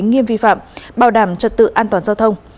nghiêm vi phạm bảo đảm trật tự an toàn giao thông